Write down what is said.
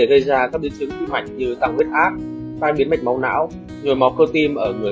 gây ra các biến chứng tuy mạnh như tăng huyết ác phai biến mạch máu não nhồi móc cơ tim ở người